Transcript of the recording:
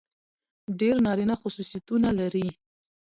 ډېر نارينه خصوصيتونه لري.